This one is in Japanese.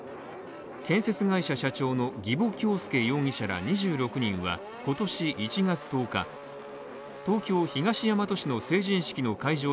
建設会社社長の儀保恭祐容疑者ら２６人は今年１月１０日東京・東大和市の成人式の会場